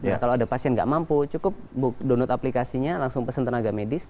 kalau ada pasien gak mampu cukup download aplikasinya langsung pesen tenaga medis